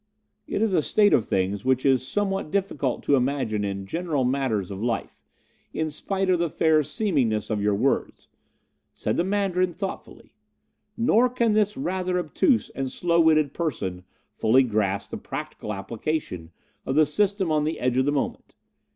"'It is a state of things which is somewhat difficult to imagine in general matters of life, in spite of the fair seemingness of your words,' said the Mandarin thoughtfully; 'nor can this rather obtuse and slow witted person fully grasp the practical application of the system on the edge of the moment.